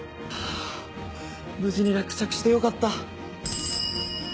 あ無事に落着してよかった。